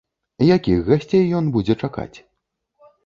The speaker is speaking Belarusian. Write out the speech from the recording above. Якіх гасцей ён будзе чакаць?